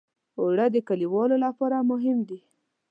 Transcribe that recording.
اوړه د کليوالو لپاره مهم دي